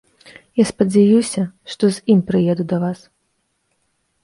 Я спадзяюся, што з ім прыеду да вас.